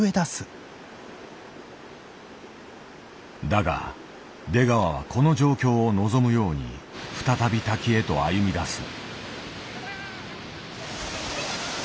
だが出川はこの状況を望むように再び滝へと歩み出す。